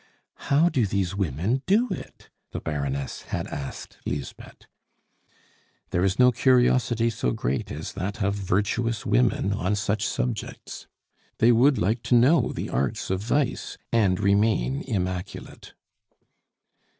"How do these women do it?" the Baroness had asked Lisbeth. There is no curiosity so great as that of virtuous women on such subjects; they would like to know the arts of vice and remain immaculate.